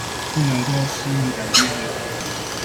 不能夠適應改變的人